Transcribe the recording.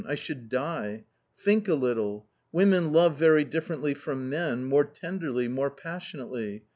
I should die ! Think a little : women love very differently from men; more tenderly, more passionately.